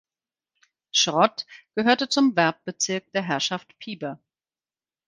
Schrott gehörte zum Werbbezirk der Herrschaft Piber.